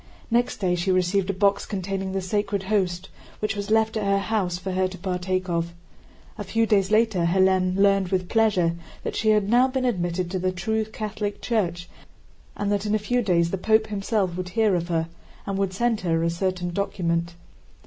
Next day she received a box containing the Sacred Host, which was left at her house for her to partake of. A few days later Hélène learned with pleasure that she had now been admitted to the true Catholic Church and that in a few days the Pope himself would hear of her and would send her a certain document.